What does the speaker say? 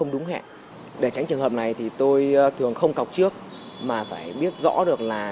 đúng hẹn để tránh trường hợp này thì tôi thường không cọc trước mà phải biết rõ được là